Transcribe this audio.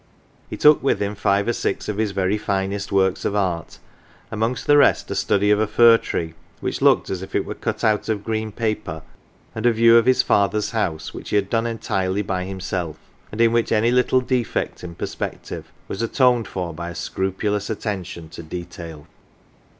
He took with him five or six of his very finest works of art, amongst the rest a study of a fir tree, which looked as if it were cut out of green paper, and a view of his father's house, which he had done entirely by himself, and in which any little defect in perspective was atoned for by a scrupulous attention to detail.